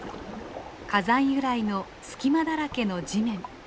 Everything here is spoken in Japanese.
火山由来の隙間だらけの地面。